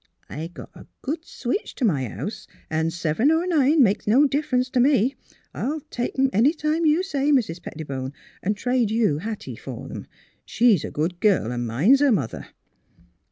I got a good switch to my house, an' seven or nine, makes no differ ence to me. I'll take 'em any time you say. Mis' 266 THE HEAET OF PHILUEA Pettibone, an' trade you Hattie for 'em. She's a good girl an' minds her mother."